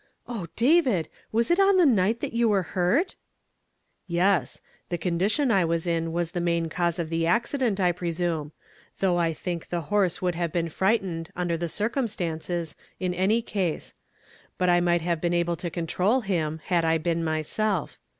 " O David ! Was it on the night that you were hurt? " ini , I 102 YESTERDAY rUAMKD IN TO DAY. (( Yes ; the condition I was in was the main cause of the accident, I presnuic, tliougli I thiidc the lioi se would have been friglitened, under the circumstances, in any case; hut I might have been able to control him, had I been myself.